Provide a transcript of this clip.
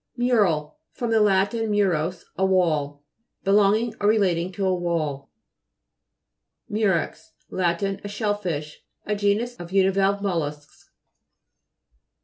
MTJ'RAL fr. lat. murus, a wall. Be longing or relating to a wall. MTJ'REX Lat. A shell fish. A genus of univalve mollusks.